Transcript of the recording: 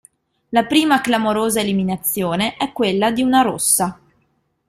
La prima "clamorosa" eliminazione è quella di una "rossa".